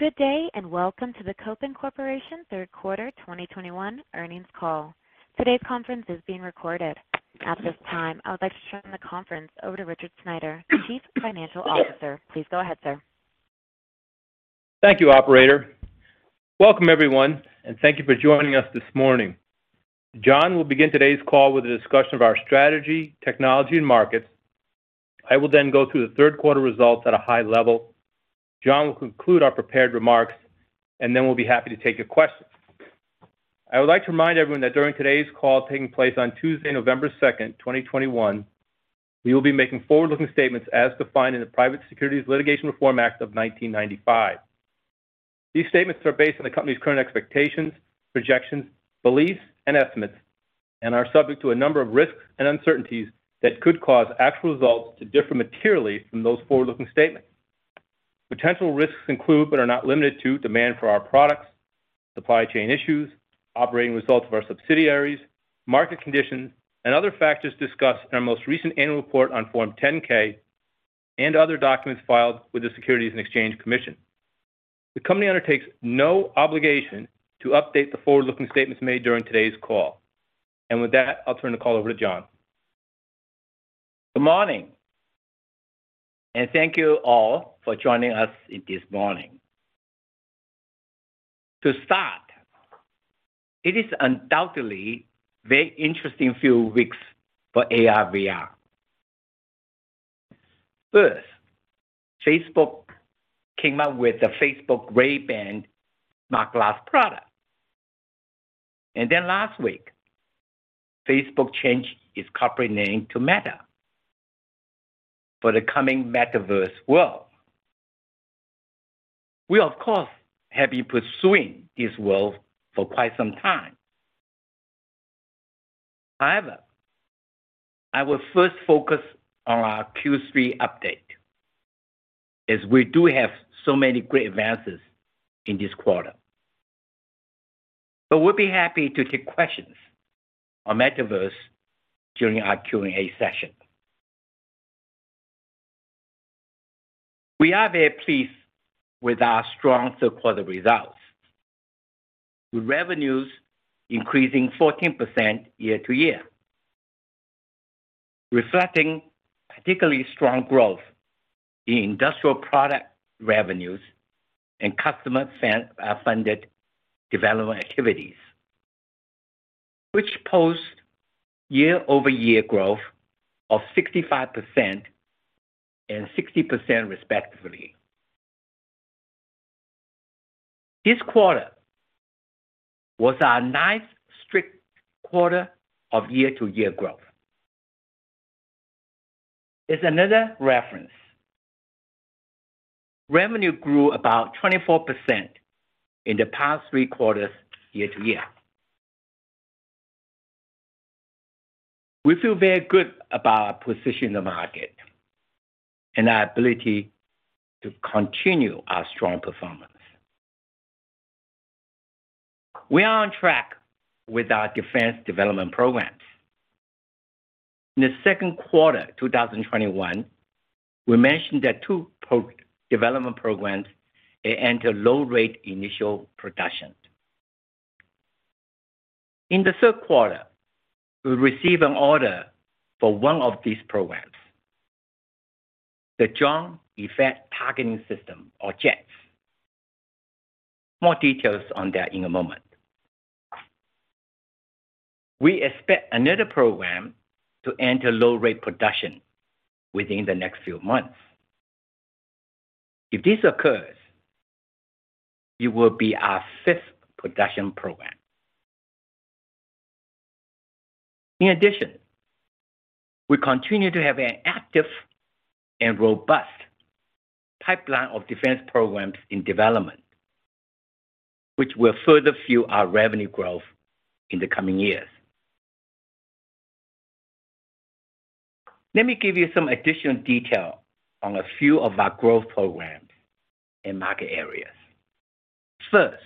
Good day, and welcome to the Kopin Corporation third quarter 2021 earnings call. Today's conference is being recorded. At this time, I would like to turn the conference over to Richard Sneider, Chief Financial Officer. Please go ahead, sir. Thank you, operator. Welcome, everyone, and thank you for joining us this morning. John will begin today's call with a discussion of our strategy, technology, and markets. I will then go through the third quarter results at a high level. John will conclude our prepared remarks, and then we'll be happy to take your questions. I would like to remind everyone that during today's call taking place on Tuesday, November 2nd, 2021, we will be making forward-looking statements as defined in the Private Securities Litigation Reform Act of 1995. These statements are based on the company's current expectations, projections, beliefs, and estimates and are subject to a number of risks and uncertainties that could cause actual results to differ materially from those forward-looking statements. Potential risks include, but are not limited to, demand for our products, supply chain issues, operating results of our subsidiaries, market conditions, and other factors discussed in our most recent annual report on Form 10-K and other documents filed with the Securities and Exchange Commission. The company undertakes no obligation to update the forward-looking statements made during today's call. With that, I'll turn the call over to John. Good morning, and thank you all for joining us this morning. To start, it is undoubtedly a very interesting few weeks for AR/VR. First, Facebook came up with the Facebook Ray-Ban smart glass product. Last week, Facebook changed its corporate name to Meta for the coming metaverse world. We of course have been pursuing this world for quite some time. However, I will first focus on our Q3 update, as we do have so many great advances in this quarter. We'll be happy to take questions on metaverse during our Q&A session. We are very pleased with our strong third quarter results, with revenues increasing 14% year-to-year, reflecting particularly strong growth in industrial product revenues and customer funded development activities, which posted year-over-year growth of 65% and 60% respectively. This quarter was our ninth straight quarter of year-to-year growth. As another reference, revenue grew about 24% in the past three quarters year-to-year. We feel very good about our position in the market and our ability to continue our strong performance. We are on track with our defense development programs. In the second quarter, 2021, we mentioned that two development programs enter low rate initial production. In the third quarter, we received an order for one of these programs, the Joint Effects Targeting System or JETS. More details on that in a moment. We expect another program to enter low rate production within the next few months. If this occurs, it will be our fifth production program. In addition, we continue to have an active and robust pipeline of defense programs in development, which will further fuel our revenue growth in the coming years. Let me give you some additional detail on a few of our growth programs and market areas. First,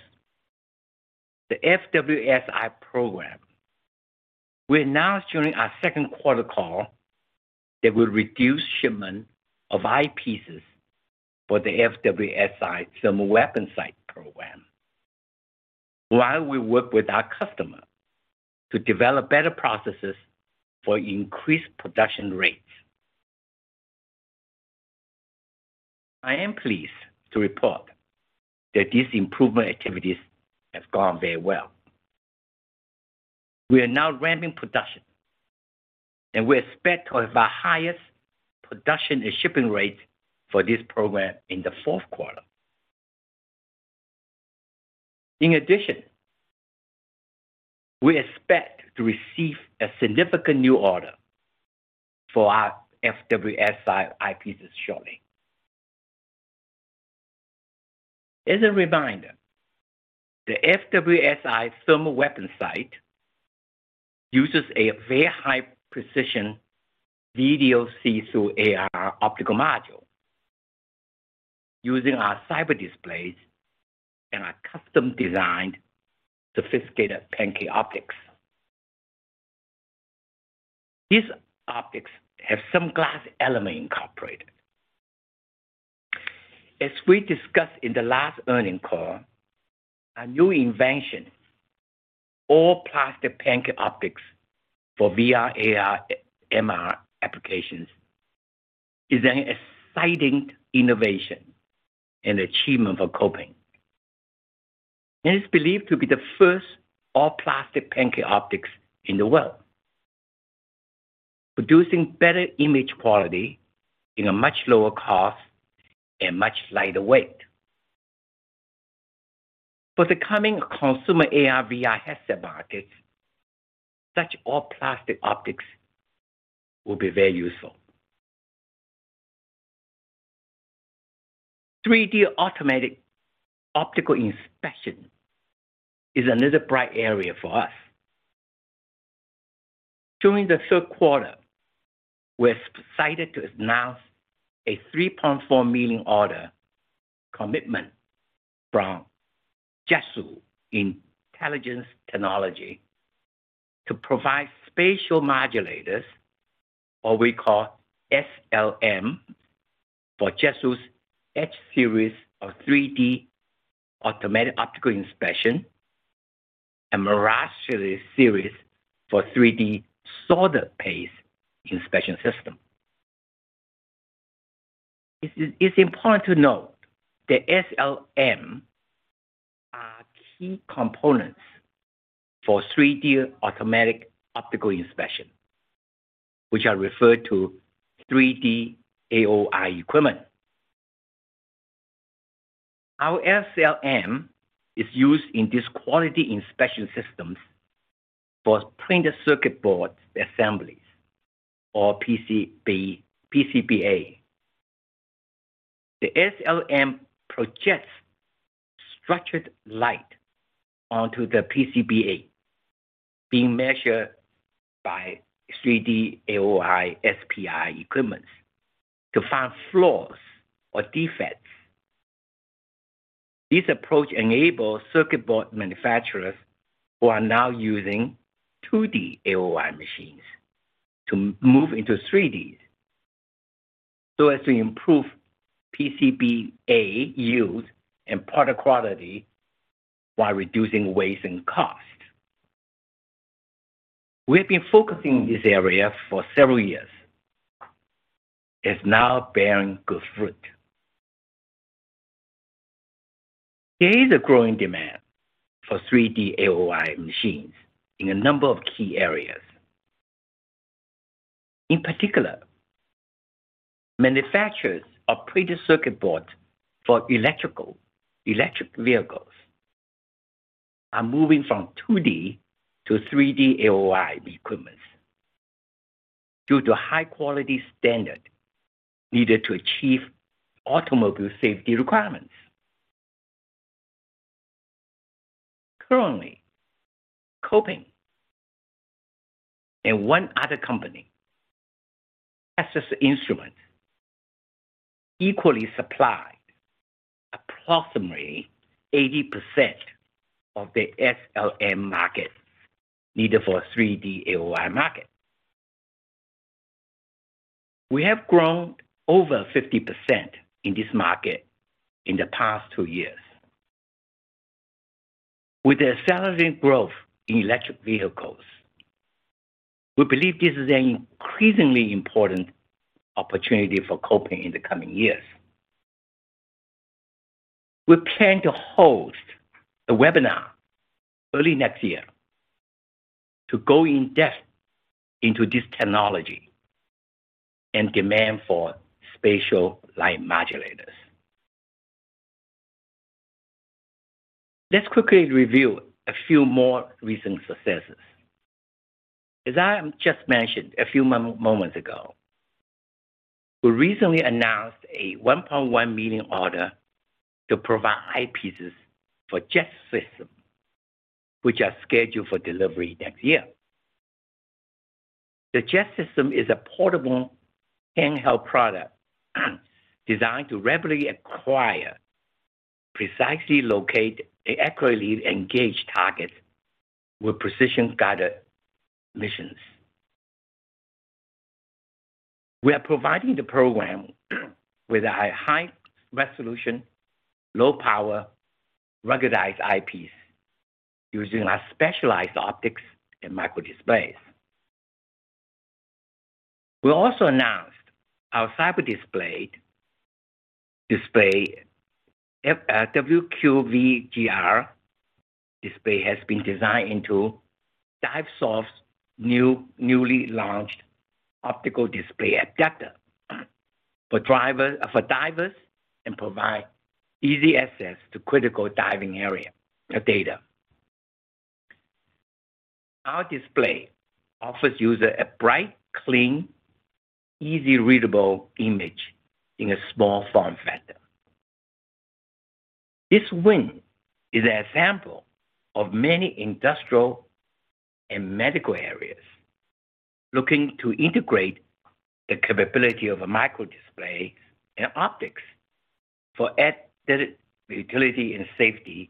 the FWS-I program. We announced during our second quarter call that we reduced shipment of eyepieces for the FWS-I thermal weapon sight program while we work with our customer to develop better processes for increased production rates. I am pleased to report that these improvement activities have gone very well. We are now ramping production, and we expect one of our highest production and shipping rates for this program in the fourth quarter. In addition, we expect to receive a significant new order for our FWS-I eyepieces shortly. As a reminder, the FWS-I thermal weapon sight uses a very high-precision video see-through AR optical module using our CyberDisplay and our custom-designed sophisticated Pancake optics. These optics have some glass element incorporated. As we discussed in the last earnings call, a new invention, All-Plastic Pancake optics for VR, AR, MR applications, is an exciting innovation and achievement for Kopin. It's believed to be the first All-Plastic Pancake optics in the world, producing better image quality in a much lower cost and much lighter weight. For the coming consumer AR, VR headset markets, such All-Plastic optics will be very useful. 3D automatic optical inspection is another bright area for us. During the third quarter, we're excited to announce a $3.4 million order commitment from JUTZE Intelligence Technology to provide spatial modulators, what we call SLM, for JUTZE's H-series of 3D automatic optical inspection and Mirage Series for 3D solder paste inspection system. It's important to note that SLM are key components for 3D automatic optical inspection, which are referred to 3D AOI equipment. Our SLM is used in these quality inspection systems for printed circuit board assemblies, or PCBA. The SLM projects structured light onto the PCBA, being measured by 3D AOI SPI equipment to find flaws or defects. This approach enables circuit board manufacturers who are now using 2D AOI machines to move into 3D so as to improve PCBA yield and product quality while reducing waste and cost. We've been focusing in this area for several years. It's now bearing good fruit. There is a growing demand for 3D AOI machines in a number of key areas. In particular, manufacturers of printed circuit boards for electric vehicles are moving from 2D to 3D AOI equipment due to high quality standard needed to achieve automobile safety requirements. Currently, Kopin and one other company, Texas Instruments, equally supply approximately 80% of the SLM market needed for 3D AOI market. We have grown over 50% in this market in the past two years. With the accelerating growth in electric vehicles, we believe this is an increasingly important opportunity for Kopin in the coming years. We plan to host a webinar early next year to go in depth into this technology and demand for spatial light modulators. Let's quickly review a few more recent successes. As I just mentioned a few moments ago, we recently announced a $1.1 million order to provide eyepieces for JETS, which are scheduled for delivery next year. JETS is a portable handheld product designed to rapidly acquire, precisely locate, and accurately engage targets with precision-guided munitions. We are providing the program with a high resolution, low power, ruggedized eyepiece using our specialized optics and microdisplays. We also announced our CyberDisplay WQVGA display has been designed into Divesoft's new, newly launched optical display adapter for divers and provide easy access to critical diving data. Our display offers user a bright, clean, easy readable image in a small form factor. This win is an example of many industrial and medical areas looking to integrate the capability of a microdisplay and optics. For added utility and safety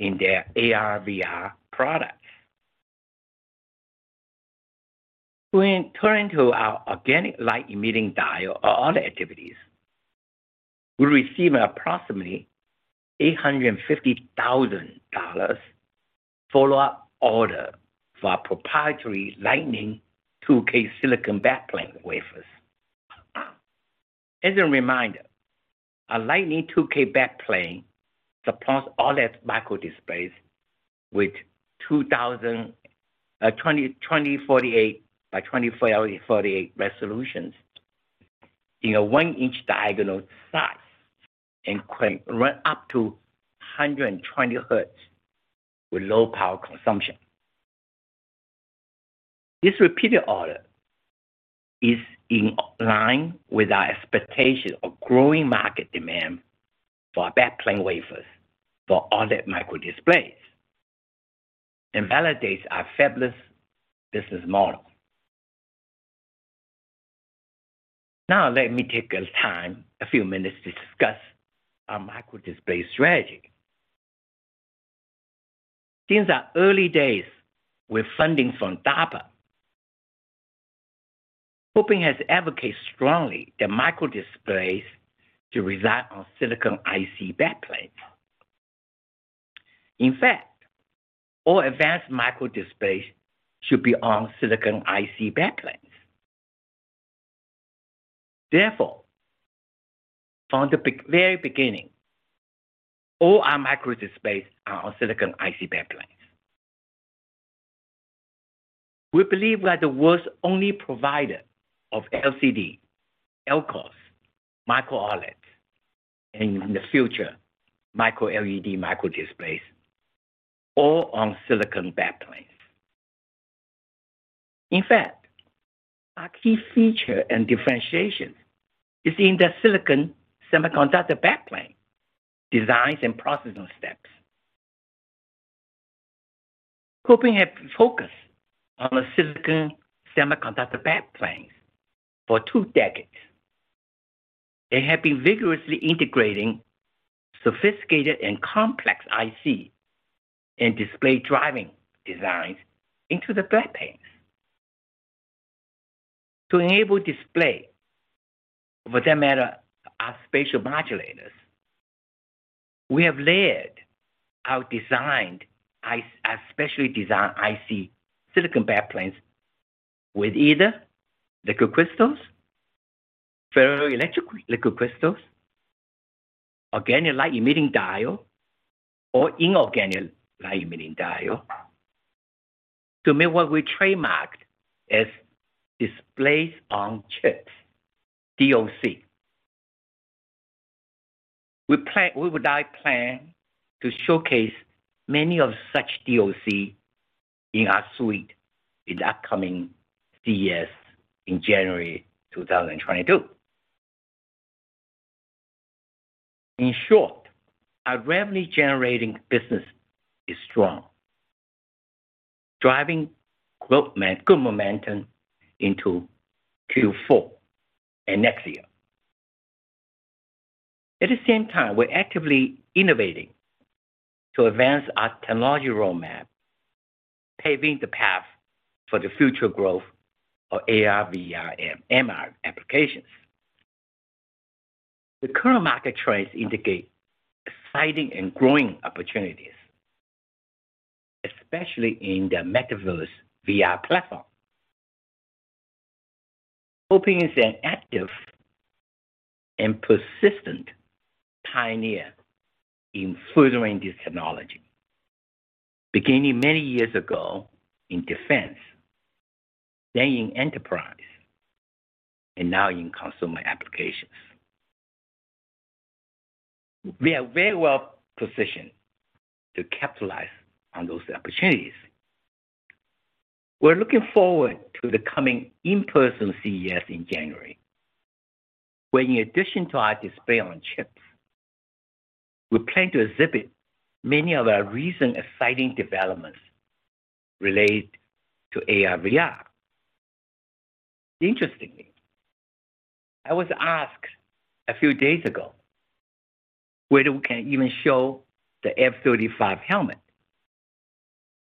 in their AR/VR products. When turning to our Organic Light Emitting Diode activities, we received approximately $850,000 follow-up order for our proprietary Lightning 2K silicon backplane wafers. As a reminder, a Lightning 2K backplane supports all its microdisplays with 2048 by 2048 resolutions in a one-inch diagonal size and can run up to 120 hertz with low power consumption. This repeated order is in line with our expectation of growing market demand for backplane wafers for all that microdisplays and validates our fabless business model. Now let me take a few minutes to discuss our microdisplay strategy. Since our early days with funding from DARPA, Kopin has advocated strongly for the microdisplays to reside on silicon IC backplanes. In fact, all advanced microdisplays should be on silicon IC backplanes. Therefore, from the very beginning, all our microdisplays are on silicon IC backplanes. We believe we are the world's only provider of LCD, LCOS, micro-OLED, and in the future, micro-LED microdisplays, all on silicon backplanes. In fact, our key feature and differentiation is in the silicon semiconductor backplane designs and processing steps. Kopin has focused on the silicon semiconductor backplanes for two decades. They have been vigorously integrating sophisticated and complex IC and display driving designs into the backplanes. To enable displays with the matter of spatial light modulators, we have layered our specially designed IC silicon backplanes with either liquid crystals, ferroelectric liquid crystals, organic light-emitting diodes, or inorganic light-emitting diodes to make what we trademarked as Display-on-Chip, DoC. We plan to showcase many of such DoC in our suite in the upcoming CES in January 2022. In short, our revenue-generating business is strong, driving growth, man, good momentum into Q4 and next year. At the same time, we're actively innovating to advance our technology roadmap, paving the path for the future growth of AR, VR, and MR applications. The current market trends indicate exciting and growing opportunities, especially in the metaverse VR platform. Kopin is an active and persistent pioneer in furthering this technology, beginning many years ago in defense, then in enterprise, and now in consumer applications. We are very well positioned to capitalize on those opportunities. We're looking forward to the coming in-person CES in January, where in addition to our Display-on-Chip, we plan to exhibit many of our recent exciting developments related to AR/VR. Interestingly, I was asked a few days ago whether we can even show the F-35 helmet.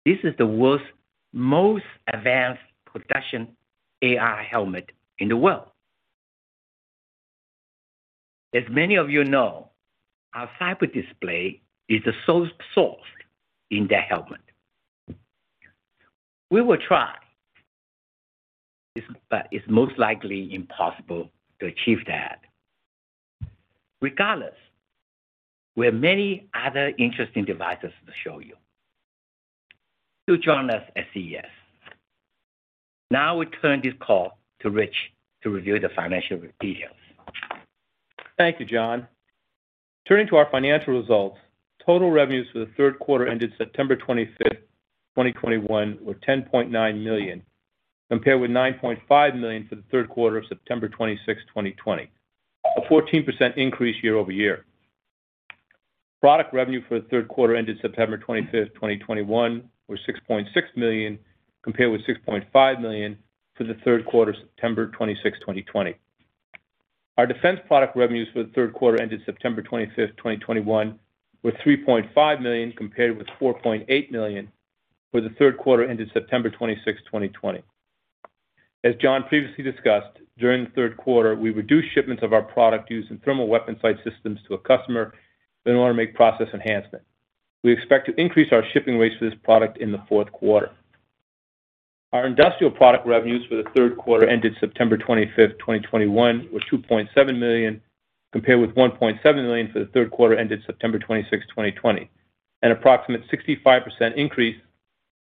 This is the world's most advanced production AR helmet in the world. As many of you know, our CyberDisplay is the sole source in that helmet. We will try, but it's most likely impossible to achieve that. Regardless, we have many other interesting devices to show you. Do join us at CES. Now we turn this call to Rich to review the financial details. Thank you, John. Turning to our financial results, total revenues for the third quarter ended September 25th, 2021 were $10.9 million, compared with $9.5 million for the third quarter of September 26th, 2020, a 14% increase year-over-year. Product revenue for the third quarter ended September 25th, 2021 was $6.6 million, compared with $6.5 million for the third quarter, September 26th, 2020. Our defense product revenues for the third quarter ended September 25th, 2021 were $3.5 million, compared with $4.8 million for the third quarter ended September 26th, 2020. As John previously discussed, during the third quarter, we reduced shipments of our product used in thermal weapon sight systems to a customer in order to make process enhancement. We expect to increase our shipping rates for this product in the fourth quarter. Our industrial product revenues for the third quarter ended September 25th, 2021 was $2.7 million, compared with $1.7 million for the third quarter ended September 26th, 2020, an approximate 65% increase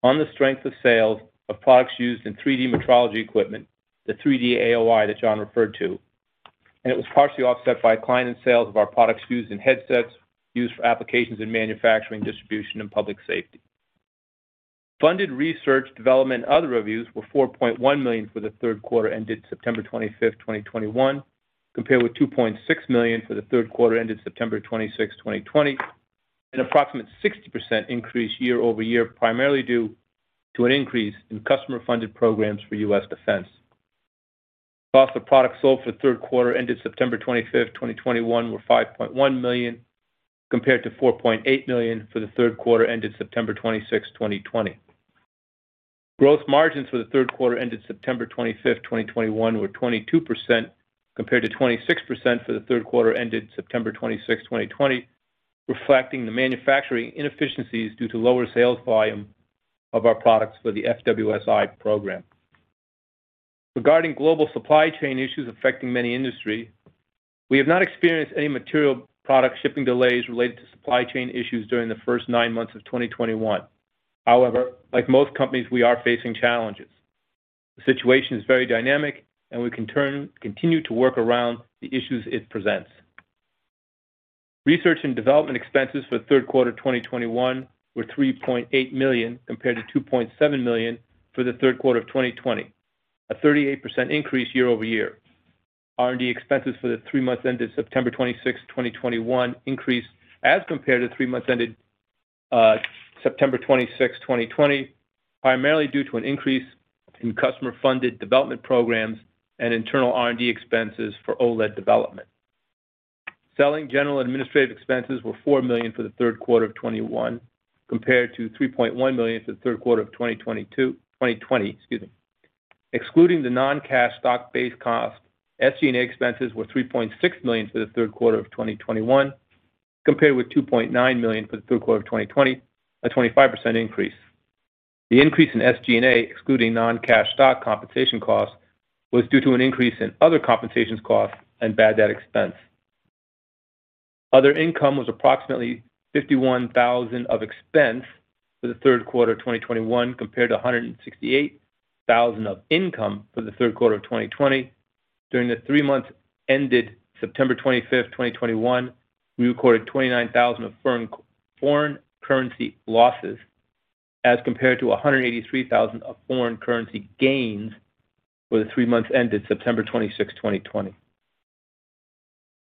on the strength of sales of products used in 3D metrology equipment, the 3D AOI that John referred to. It was partially offset by a decline in sales of our products used in headsets used for applications in manufacturing, distribution, and public safety. Funded research, development, and other reviews were $4.1 million for the third quarter ended September 25th, 2021, compared with $2.6 million for the third quarter ended September 26th, 2020, an approximate 60% increase year-over-year, primarily due to an increase in customer-funded programs for U.S. defense. Cost of products sold for the third quarter ended September 25th, 2021 were $5.1 million compared to $4.8 million for the third quarter ended September 26th, 2020. Gross margins for the third quarter ended September 25th, 2021 were 22% compared to 26% for the third quarter ended September 26th, 2020, reflecting the manufacturing inefficiencies due to lower sales volume of our products for the FWS-I program. Regarding global supply chain issues affecting many industries, we have not experienced any material product shipping delays related to supply chain issues during the first nine months of 2021. However, like most companies, we are facing challenges. The situation is very dynamic, and we can continue to work around the issues it presents. Research and development expenses for the third quarter of 2021 were $3.8 million compared to $2.7 million for the third quarter of 2020, a 38% increase year-over-year. R&D expenses for the three months ended September 26th, 2021 increased as compared to three months ended September 26th, 2020, primarily due to an increase in customer-funded development programs and internal R&D expenses for OLED development. Selling, general, and administrative expenses were $4 million for the third quarter of 2021 compared to $3.1 million for the third quarter of 2020. Excluding the non-cash stock-based cost, SG&A expenses were $3.6 million for the third quarter of 2021 compared with $2.9 million for the third quarter of 2020, a 25% increase. The increase in SG&A, excluding non-cash stock compensation costs, was due to an increase in other compensations costs and bad debt expense. Other income was approximately $51,000 of expense for the third quarter of 2021 compared to $168,000 of income for the third quarter of 2020. During the three months ended September 25th, 2021, we recorded $29,000 of foreign currency losses as compared to $183,000 of foreign currency gains for the three months ended September 26th, 2020.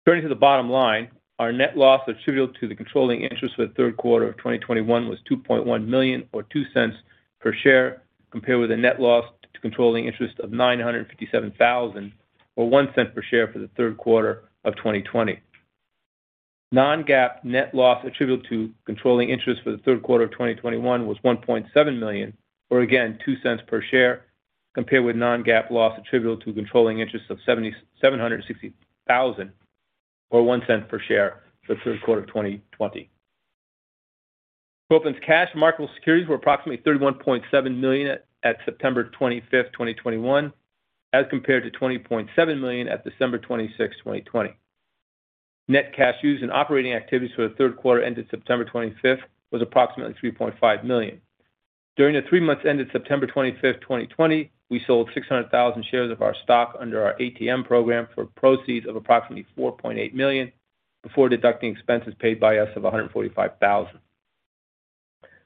Turning to the bottom line, our net loss attributable to the controlling interest for the third quarter of 2021 was $2.1 million, or $0.02 per share, compared with a net loss to controlling interest of $957,000, or $0.01 per share for the third quarter of 2020. Non-GAAP net loss attributable to controlling interest for the third quarter of 2021 was $1.7 million, or again $0.02 per share, compared with non-GAAP loss attributable to controlling interest of $776,000, or $0.01 per share for the third quarter of 2020. Kopin's cash and marketable securities were approximately $31.7 million at September 25th, 2021, as compared to $20.7 million at December 26th, 2020. Net cash used in operating activities for the third quarter ended September 25 was approximately $3.5 million. During the three months ended September 25th, 2020, we sold 600,000 shares of our stock under our ATM program for proceeds of approximately $4.8 million before deducting expenses paid by us of $145,000.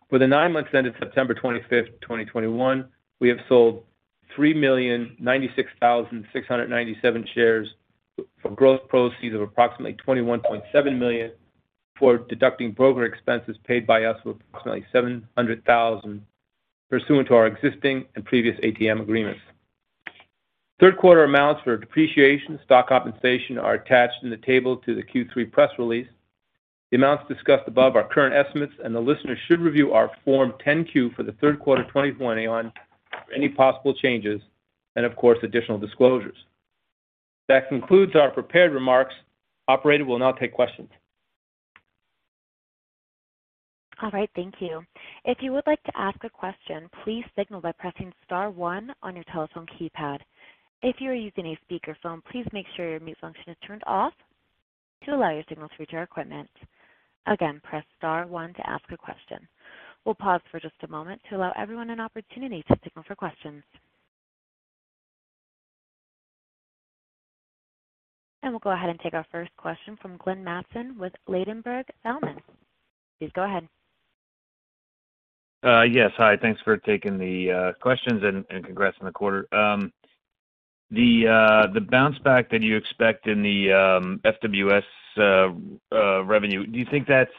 For the nine months ended September 25th, 2021, we have sold 3,096,697 shares for gross proceeds of approximately $21.7 million before deducting broker expenses paid by us of approximately $700,000 pursuant to our existing and previous ATM agreements. Third quarter amounts for depreciation, stock compensation are attached in the table to the Q3 press release. The amounts discussed above are current estimates, and the listener should review our Form 10-Q for the third quarter of 2020 on any possible changes and of course, additional disclosures. That concludes our prepared remarks. Operator, we'll now take questions. All right, thank you. If you would like to ask a question, please signal by pressing star one on your telephone keypad. If you are using a speakerphone, please make sure your mute function is turned off to allow your signal to reach our equipment. Again, press star one to ask a question. We'll pause for just a moment to allow everyone an opportunity to signal for questions. We'll go ahead and take our first question from Glenn Mattson with Ladenburg Thalmann. Please go ahead. Yes. Hi, thanks for taking the questions and congrats on the quarter. The bounce back that you expect in the FWS revenue, do you think that's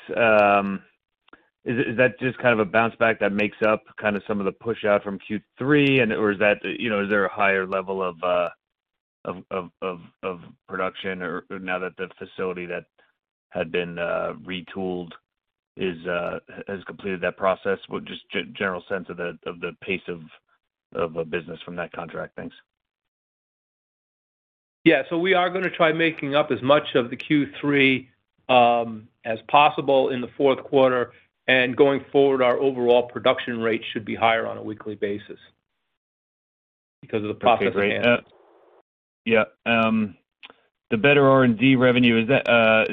just kind of a bounce back that makes up kind of some of the push out from Q3 or is that, you know, is there a higher level of production or now that the facility that had been retooled has completed that process with just general sense of the pace of a business from that contract? Thanks. Yeah. We are gonna try making up as much of the Q3 as possible in the fourth quarter. Going forward, our overall production rate should be higher on a weekly basis because of the profit rate. Okay. Yeah. The better R&D revenue, is that a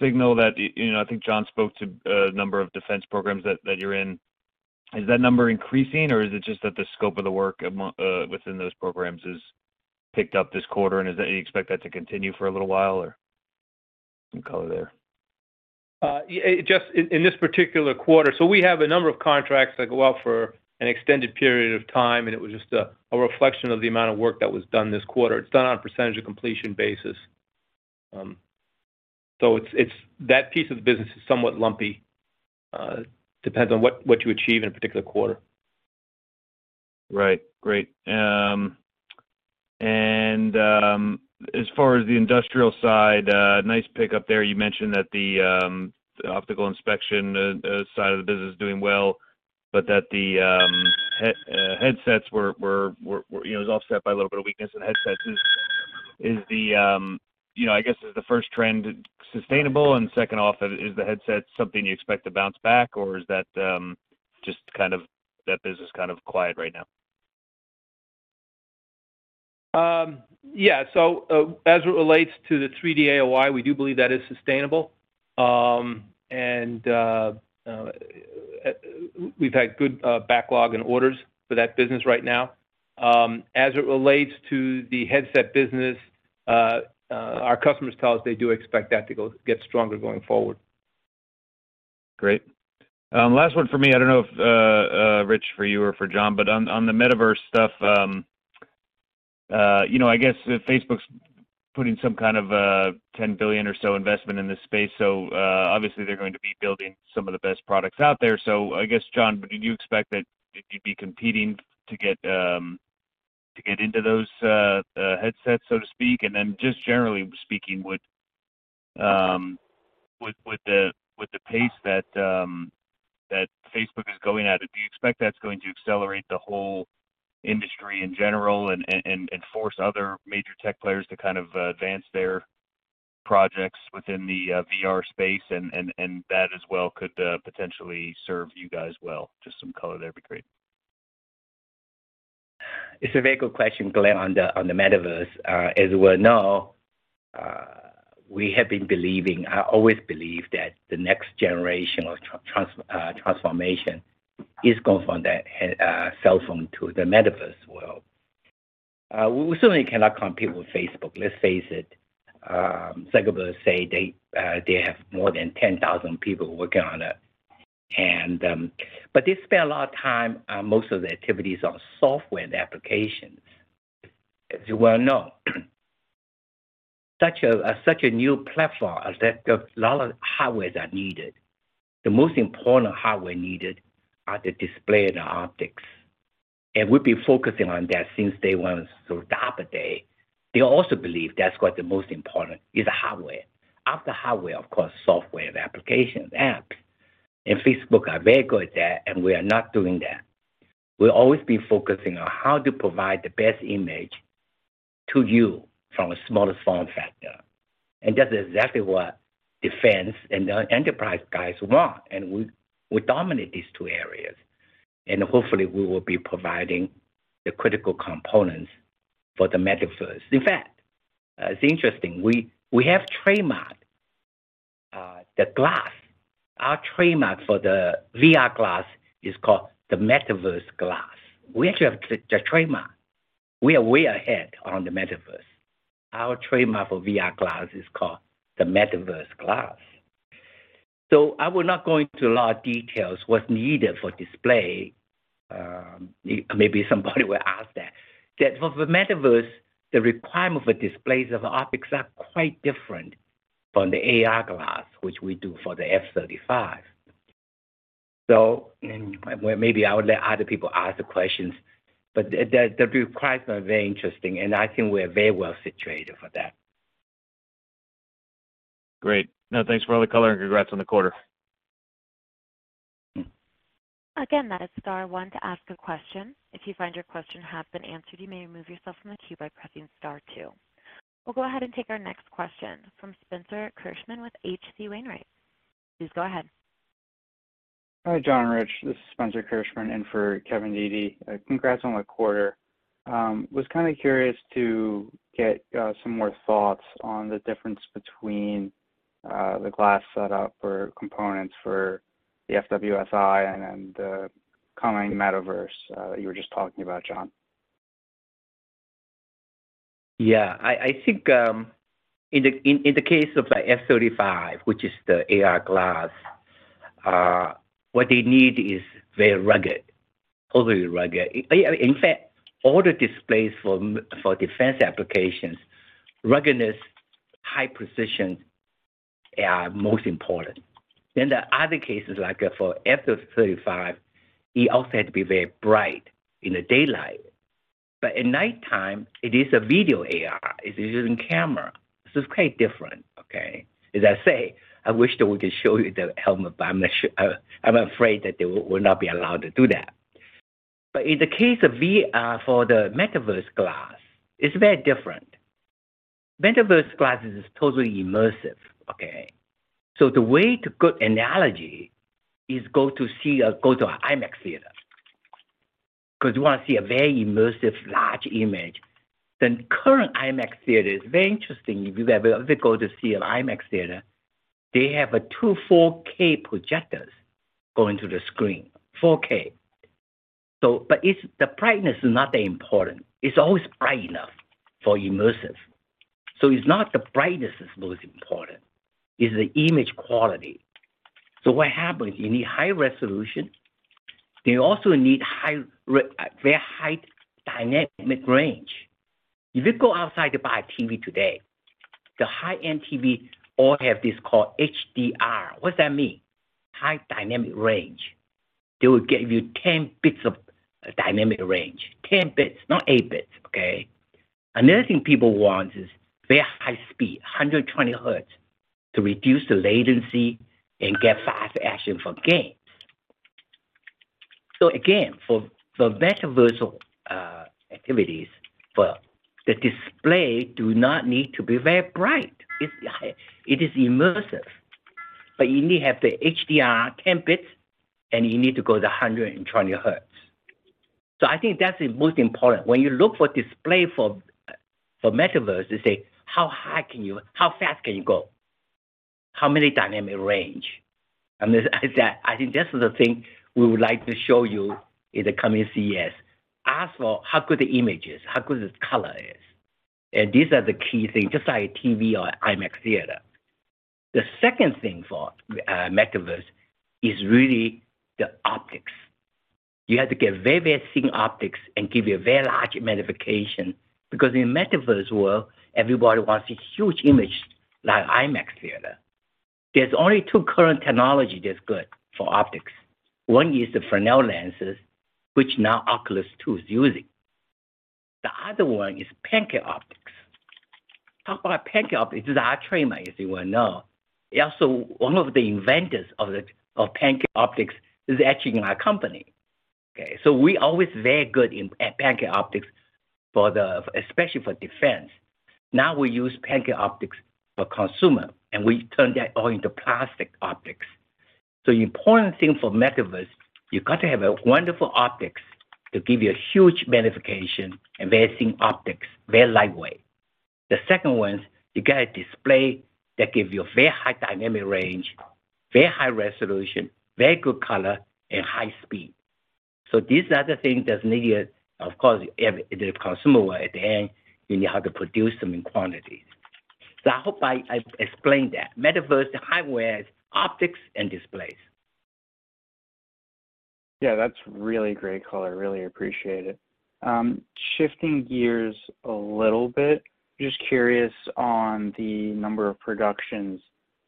signal that, you know, I think John spoke to a number of defense programs that you're in. Is that number increasing or is it just that the scope of the work among within those programs is picked up this quarter and you expect that to continue for a little while or some color there? Yeah, just in this particular quarter. We have a number of contracts that go out for an extended period of time, and it was just a reflection of the amount of work that was done this quarter. It's done on a percentage of completion basis. It's that piece of the business is somewhat lumpy. Depends on what you achieve in a particular quarter. Right. Great. As far as the industrial side, nice pick up there. You mentioned that the optical inspection side of the business is doing well, but that the headsets were, you know, it was offset by a little bit of weakness in headsets. Is the first trend sustainable? And second off, is the headset something you expect to bounce back or is that just kind of that business kind of quiet right now? Yeah. As it relates to the 3D AOI, we do believe that is sustainable. We've had good backlog and orders for that business right now. As it relates to the headset business, our customers tell us they do expect that to get stronger going forward. Great. Last one for me. I don't know if Rich for you or for John, but on the Metaverse stuff, you know, I guess if Facebook's putting some kind of $10 billion or so investment in this space, so obviously they're going to be building some of the best products out there. I guess, John, do you expect that you'd be competing to get into those headsets, so to speak? Then just generally speaking with the pace that Facebook is going at it, do you expect that's going to accelerate the whole industry in general and force other major tech players to kind of advance their projects within the VR space and that as well could potentially serve you guys well? Just some color there'd be great. It's a very good question, Glenn, on the metaverse. As we know, we have been believing, I always believe that the next generation of transformation is going from the cellphone to the metaverse world. We certainly cannot compete with Facebook. Let's face it. Zuckerberg say they have more than 10,000 people working on it. They spend a lot of time on most of the activities on software applications. As you well know, such a new platform that a lot of hardwares are needed. The most important hardware needed are the display and the optics, and we've been focusing on that since day one. The other day, they also believe that's what the most important is the hardware. After hardware, of course, software, the applications, apps. Facebook are very good at that, and we are not doing that. We'll always be focusing on how to provide the best image to you from a smallest form factor. That's exactly what defense and the enterprise guys want, and we dominate these two areas. Hopefully we will be providing the critical components for the Metaverse. In fact, it's interesting, we have trademarked the glass. Our trademark for the VR glass is called the Metaverse Glass. We actually have the trademark. We are way ahead on the Metaverse. So I will not go into a lot of details what's needed for display. Maybe somebody will ask that. For Metaverse, the requirement for displays of optics are quite different from the AR glass, which we do for the F-35. Maybe I would let other people ask the questions, but the requirements are very interesting, and I think we're very well situated for that. Great. No, thanks for all the color and congrats on the quarter. We'll go ahead and take our next question from Spencer Kirschman with H.C. Wainwright. Please go ahead. Hi, John, Rich. This is Spencer Kirschman in for Kevin Dede. Congrats on the quarter. I was kind of curious to get some more thoughts on the difference between the glass setup for components for the FWS-I and then the coming Metaverse you were just talking about, John. Yeah. I think in the case of the F-35, which is the AR glass, what they need is very rugged, overly rugged. In fact, all the displays for defense applications, ruggedness, high precision are most important. The other cases like for F-35, it also had to be very bright in the daylight. At nighttime, it is a video AR. It's using camera. It's quite different, okay? As I say, I wish that we could show you the helmet, but I'm afraid that they will not be allowed to do that. In the case of VR for the Metaverse Glass, it's very different. Metaverse glasses is totally immersive, okay? The way to a good analogy is go to an IMAX theater 'cause you wanna see a very immersive large image. The current IMAX theater is very interesting. If you've ever go to see an IMAX theater, they have two 4K projectors going to the screen, 4K. The brightness is not that important. It's always bright enough for immersive. It's not the brightness that's most important. It's the image quality. What happens, you need high resolution. You also need very high dynamic range. If you go outside to buy a TV today, the high-end TV all have this called HDR. What does that mean? High dynamic range. They will give you 10 bits of dynamic range. 10 bits, not 8 bits, okay? Another thing people want is very high speed, 120 hertz, to reduce the latency and get fast action for games. Again, for metaverse activities, the display do not need to be very bright. It is immersive. You need to have the HDR 10 bits, and you need to go to 120 hertz. I think that's the most important. When you look for display for metaverse, you say, "How fast can you go? How many dynamic range?" This is that. I think that's the thing we would like to show you in the coming CES. Ask for how good the image is, how good the color is. These are the key things, just like a TV or IMAX theater. The second thing for metaverse is really the optics. You have to get very, very thin optics and give you a very large magnification because in metaverse world, everybody wants a huge image like IMAX theater. There's only two current technology that's good for optics. One is the Fresnel lenses, which now Oculus Two is using. The other one is pancake optics. Talk about pancake optics is our trademark, as you well know. Also one of the inventors of the pancake optics is actually in our company, okay? We always very good in, at pancake optics for the, especially for defense. Now we use pancake optics for consumer, and we turn that all into plastic optics. The important thing for metaverse, you got to have a wonderful optics to give you a huge magnification and very thin optics, very lightweight. The second one, you get a display that give you a very high dynamic range, very high resolution, very good color, and high speed. These are the things that's needed. Of course, in the consumer world at the end, you know how to produce them in quantities. I hope I explained that. Metaverse, the hardware is optics and displays. Yeah, that's really great color. I really appreciate it. Shifting gears a little bit, just curious on the number of productions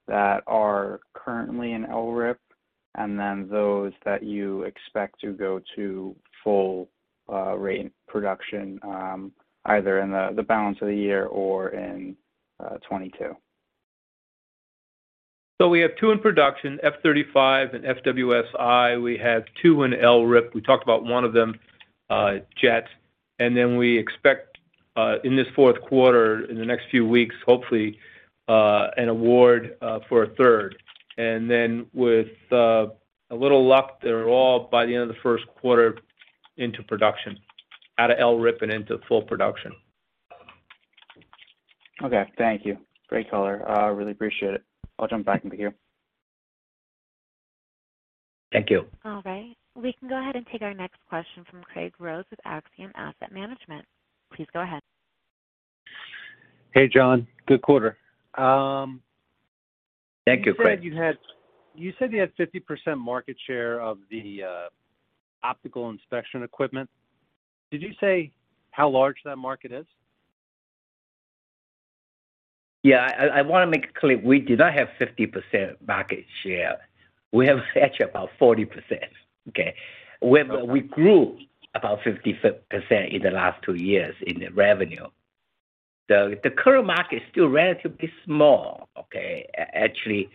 that are currently in LRIP and then those that you expect to go to full rate production, either in the balance of the year or in 2022? We have two in production, F-35 and FWS-I. We have two in LRIP. We talked about one of them, JETS. We expect in this fourth quarter, in the next few weeks, hopefully, an award for a third. With a little luck, they're all by the end of the first quarter into production. Out of LRIP and into full production. Okay. Thank you. Great color. I really appreciate it. I'll jump back into queue. Thank you. All right. We can go ahead and take our next question from Craig Rose with Axiom Asset Management. Please go ahead. Hey, John. Good quarter. Thank you, Craig. You said you had 50% market share of the optical inspection equipment. Did you say how large that market is? I wanna make it clear, we do not have 50% market share. We have actually about 40%, okay? We grew about 50% in the last two years in the revenue. The current market is still relatively small, okay, actually.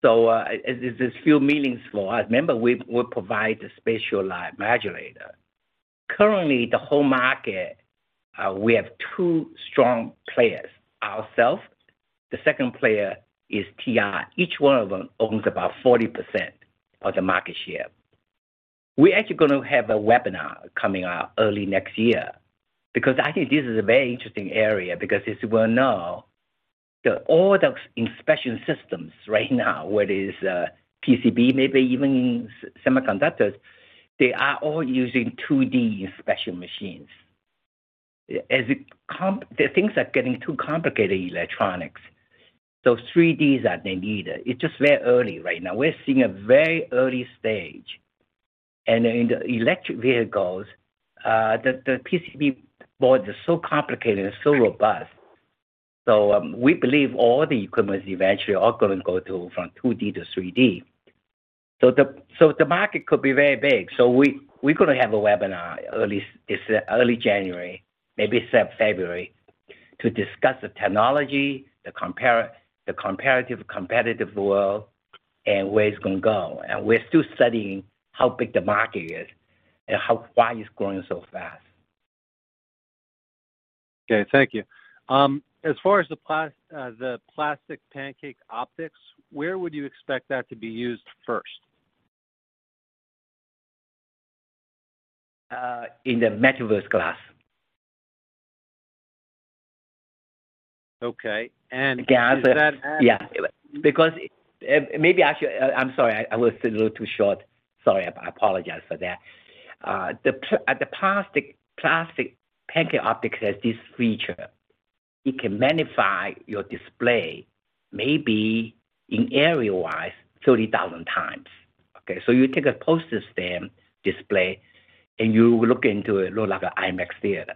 It's still meaningful. As remember, we provide the spatial light modulator. Currently, the whole market, we have two strong players, ourself. The second player is TI. Each one of them owns about 40% of the market share. We're actually gonna have a webinar coming out early next year because I think this is a very interesting area because as you well know. All the inspection systems right now, whether it's PCB, maybe even semiconductors, they are all using 2D inspection machines. As it comp the things are getting too complicated in electronics, so 3Ds are the need. It's just very early right now. We're seeing a very early stage. In the electric vehicles, the PCB boards are so complicated and so robust. We believe all the equipments eventually are gonna go from 2D to 3D. The market could be very big. We're gonna have a webinar early this January, maybe February, to discuss the technology, the comparative competitive world and where it's gonna go. We're still studying how big the market is and why it's growing so fast. Okay, thank you. As far as the plastic Pancake optics, where would you expect that to be used first? In the Metaverse Glass. Okay. Is that Again, yeah. Maybe I should. I'm sorry, I was a little too short. Sorry, I apologize for that. The plastic Pancake optics has this feature. It can magnify your display maybe area wise 30,000 times, okay? You take a postage stamp display, and you look into it. It looks like an IMAX theater.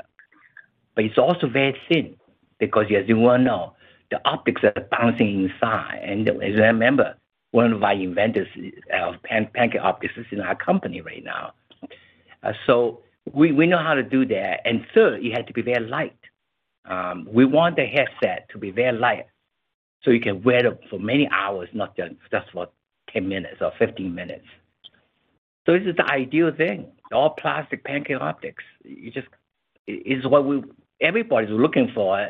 It's also very thin because as you well know, the optics are bouncing inside. As I remember, one of our inventors of Pancake optics is in our company right now. We know how to do that. Third, it had to be very light. We want the headset to be very light, so you can wear them for many hours, not just for 10 minutes or 15 minutes. This is the ideal thing, All-Plastic Pancake optics. You just It's what everybody's looking for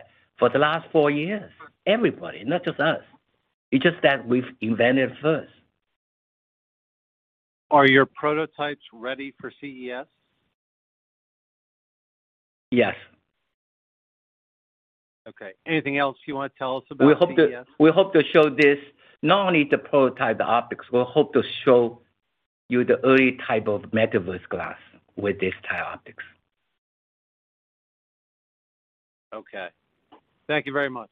the last four years. Everybody, not just us. It's just that we've invented it first. Are your prototypes ready for CES? Yes. Okay. Anything else you wanna tell us about CES? We hope to show this not only the prototype, the optics. We hope to show you the early type of Metaverse Glass with this type of optics. Okay. Thank you very much.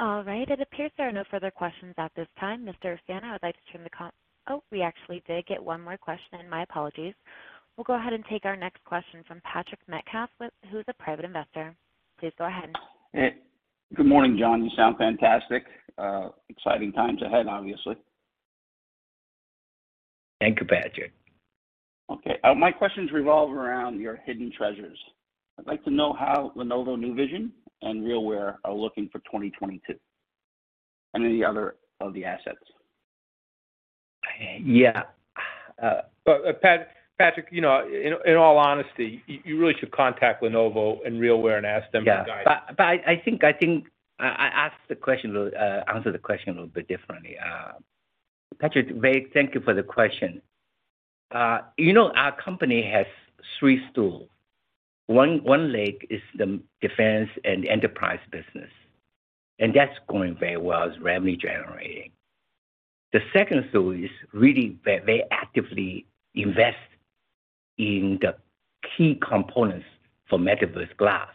All right. It appears there are no further questions at this time. Mr. Fan, I would like to. Oh, we actually did get one more question. My apologies. We'll go ahead and take our next question from Patrick Metcalf who is a private investor. Please go ahead. Hey. Good morning, John. You sound fantastic. Exciting times ahead, obviously. Thank you, Patrick. Okay. My questions revolve around your hidden treasures. I'd like to know how Lenovo New Vision and RealWear are looking for 2022, and any other of the assets. Yeah. Patrick, you know, in all honesty, you really should contact Lenovo and RealWear and ask them to guide you. I think I answer the question a little bit differently. Patrick, thank you very much for the question. You know, our company has three-legged stool. One leg is the defense and enterprise business, and that's going very well. It's revenue generating. The second stool is really very actively investing in the key components for Metaverse Glass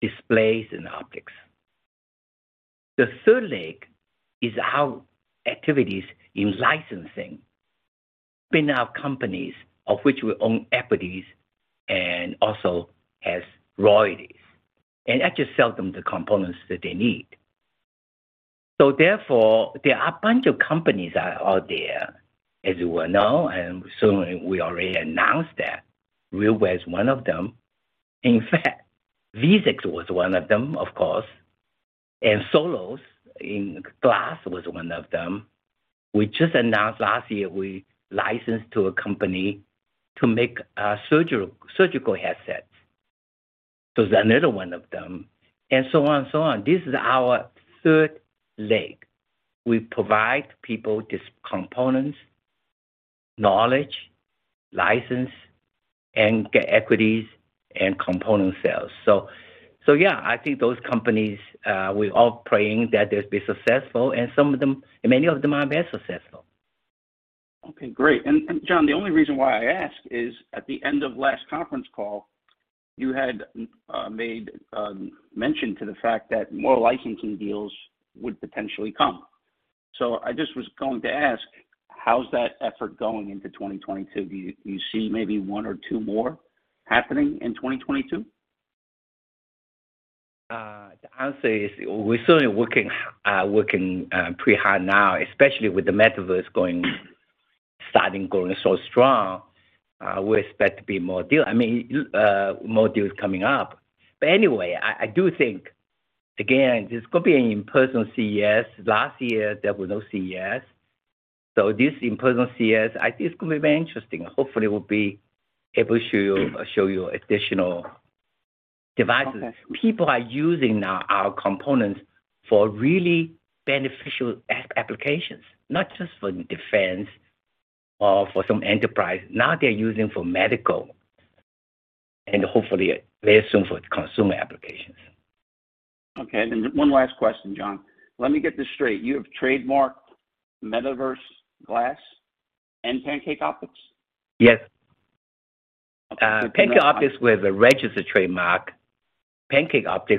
displays and optics. The third leg is our activities in licensing spin-out companies of which we own equities and we also have royalties, and we just sell them the components that they need. There are a bunch of companies that are there, as you well know, and we already announced that RealWear is one of them. In fact, Vuzix was one of them, of course, and Solos in Glass was one of them. We just announced last year we licensed to a company to make surgical headsets. They're one of them. So on. This is our third leg. We provide people these components, knowledge, license, and equities and component sales. Yeah, I think those companies, we're all praying that they'll be successful, and some of them, and many of them are very successful. Okay, great. John, the only reason why I ask is, at the end of last conference call, you had made mention to the fact that more licensing deals would potentially come. I just was going to ask, how's that effort going into 2022? Do you see maybe one or two more happening in 2022? The answer is we're certainly working pretty hard now, especially with the metaverse going, starting going so strong. We expect more deals coming up. Anyway, I do think, again, this could be an in-person CES. Last year, there were no CES. This in-person CES, I think it's gonna be very interesting. Hopefully, we'll be able to show you additional devices. People are using now our components for really beneficial applications, not just for defense or for some enterprise. Now they're using for medical and hopefully very soon for consumer applications. Okay. One last question, John. Let me get this straight. You have trademarked Metaverse Glass and Pancake optics? Yes. Okay. Pancake Optics, we have a registered trademark. Of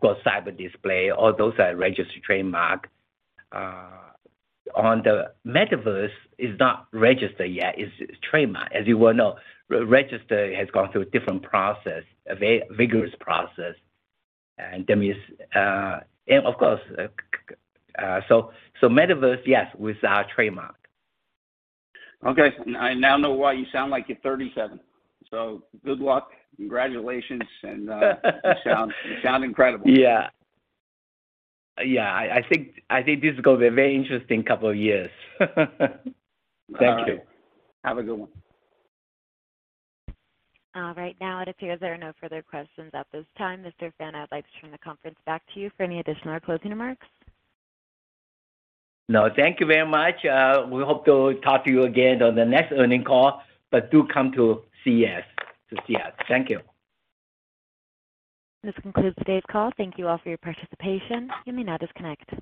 course, CyberDisplay, all those are registered trademark. Our Metaverse is not registered yet. It's trademarked. As you well know, registered has gone through a different process, a very vigorous process. That means our Metaverse, yes, with our trademark. Okay. I now know why you sound like you're 37. Good luck. Congratulations. You sound incredible. Yeah. I think this is gonna be a very interesting couple of years. Thank you. All right. Have a good one. All right. Now it appears there are no further questions at this time. Mr. Fan, I'd like to turn the conference back to you for any additional closing remarks. No, thank you very much. We hope to talk to you again on the next earnings call. Do come to CES to see us. Thank you. This concludes today's call. Thank you all for your participation. You may now disconnect.